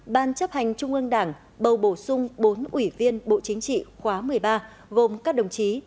ban chấp hành trung ương đảng bầu bổ sung bốn ủy viên bộ chính trị khóa một mươi ba gồm các đồng chí